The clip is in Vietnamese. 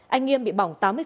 anh nghiêm bị bỏng tám mươi